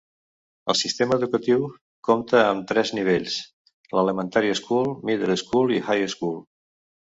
El sistema educatiu compta amb tres nivells: 'elementary school', 'middle school' i 'high school'.